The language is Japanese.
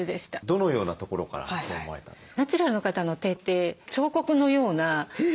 どのようなところからそう思われたんですか？